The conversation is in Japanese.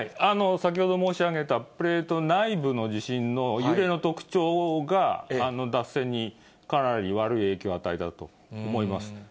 先ほど申し上げたプレート内部の地震の揺れの特徴が、脱線にかなり悪い影響を与えたと思います。